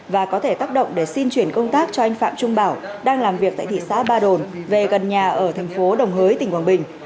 và có thể tác động để xin chuyển công tác cho anh phạm trung bảo đang làm việc tại thị xã ba đồn về gần nhà ở thành phố đồng hới tỉnh quảng bình